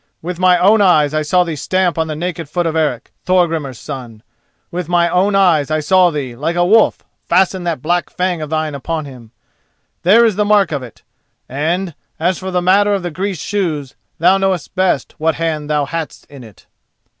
With my own eyes I saw thee stamp on the naked foot of Eric, Thorgrimur's son; with my own eyes I saw thee, like a wolf, fasten that black fang of thine upon him—there is the mark of it; and, as for the matter of the greased shoes, thou knowest best what hand thou hadst in it."